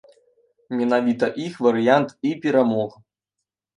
Менавіта іх варыянт і перамог.